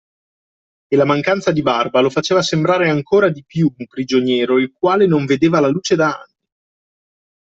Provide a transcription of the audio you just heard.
E la mancanza di barba lo faceva sembrare ancora di più un prigioniero il quale non vedeva la luce da anni.